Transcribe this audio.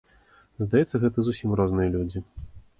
Здаецца, гэта зусім розныя людзі.